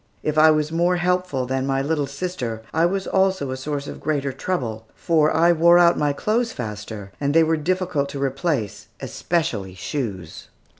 If I was more helpful than my little sister, I was also a source of greater trouble, for I wore out my clothes faster, and they were difficult to replace, especially shoes.